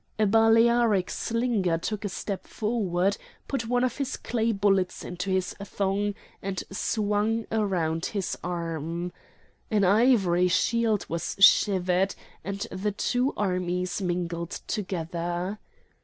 A Balearic slinger took a step forward, put one of his clay bullets into his thong, and swung round his arm. An ivory shield was shivered, and the two armies mingled together.